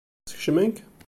Skecmen-k?